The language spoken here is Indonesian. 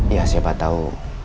ya siapa tau